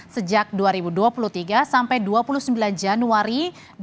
sejak dua ribu dua puluh tiga sampai dua puluh sembilan januari dua ribu dua puluh